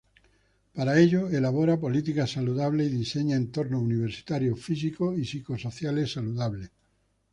Para ello, elabora políticas saludables y diseña entornos universitarios físicos y psicosociales saludables.